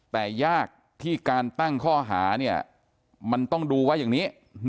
แต่ยากที่การตั้งข้อหาเนี่ยมันต้องดูว่าอย่างนี้